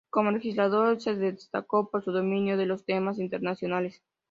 Como legislador se destacó por su dominio de los temas internacionales.